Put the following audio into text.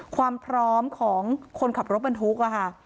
ความพร้อมของคนขับรถบรรทุกค่ะ